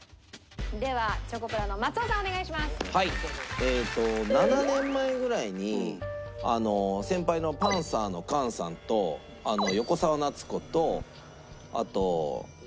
えっと７年前ぐらいに先輩のパンサーの菅さんと横澤夏子とあと当時菅さんが狙ってた女の人と。